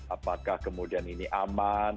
apakah kemudian ini aman